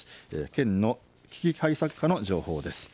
県の危機対策課の情報です。